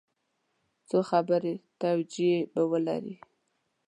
څو خبري توجیې به ولري.